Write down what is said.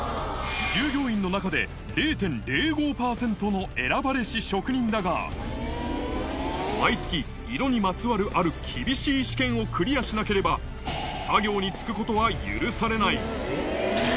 従業員の中で、０．０５％の選ばれし職人だが、毎月色にまつわるある厳しい試験をクリアしなければ、作業につくことは許されない。